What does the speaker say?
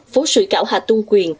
phố sủi cảo hà tôn quyền